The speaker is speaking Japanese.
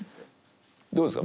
どうですか？